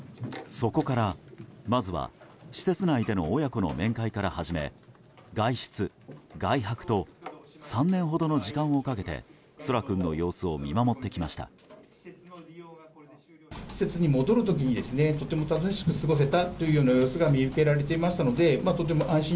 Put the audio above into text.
そこから、まずは施設内での親子の面会から始め外出、外泊と３年ほどの時間をかけて空来君の様子を見守ってきました。